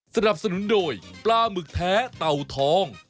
สนับสนุนโดยปลาหมึกแท้เต่าทอง